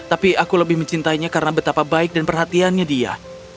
tapi aku lebih mencintainya karena betapa baik dan perhatiannya dia